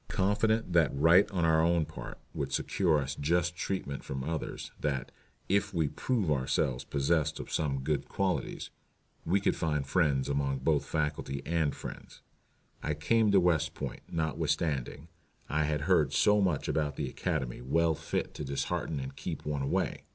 Confident that right on our own part would secure us just treatment from others, that "if we but prove ourselves possessed of some good qualities" we could find friends among both faculty and students. I came to West Point, notwithstanding I had heard so much about the Academy well fit to dishearten and keep one away.